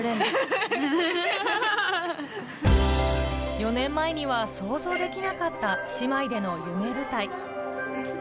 ４年前には想像できなかった姉妹での夢舞台。